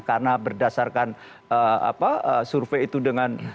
karena berdasarkan survei itu dengan